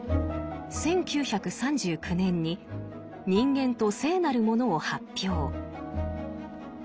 １９３９年に「人間と聖なるもの」を発表。